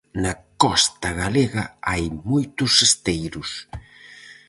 Na costa galega hai moitos esteiros.